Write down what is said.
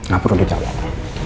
gak perlu dicabut